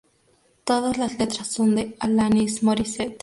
Todas las letras son de Alanis Morissette